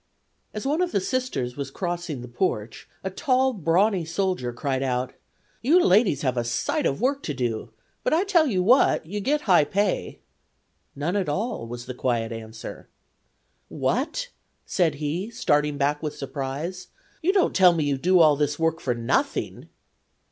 As one of the Sisters was crossing the porch a tall, brawny soldier cried out: "You ladies have a sight of work to do, but I tell you what, you get high pay." "None at all," was the quiet answer. "What!" said he, starting back with surprise; "you don't tell me you do all this work for nothing?"